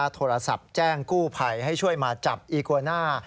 โทรศัพท์แจ้งกู้ภัยให้ช่วยมาจับอีโกน่า